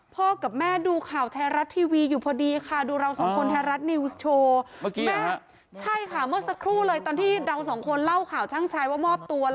พ่อกับแม่ดูข่าวแท้รัฐทีวีอยู่พอดีค่ะดูเราสองคนแท้รัฐนิวส์โชว์